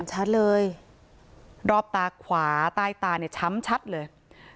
ชัดเลยรอบตาขวาใต้ตาเนี่ยช้ำชัดเลย